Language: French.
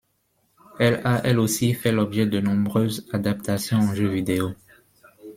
Elle a, elle aussi, fait l'objet de nombreuses adaptations en jeu vidéo.